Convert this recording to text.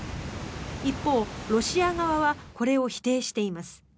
一方、ロシア側はこれを否定しています。